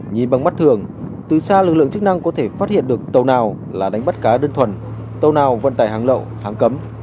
nhìn bằng mắt thường từ xa lực lượng chức năng có thể phát hiện được tàu nào là đánh bắt cá đơn thuần tàu nào vận tải hàng lậu hàng cấm